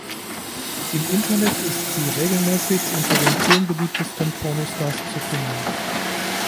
Im Internet ist sie regelmäßig unter den zehn beliebtesten Pornostars zu finden.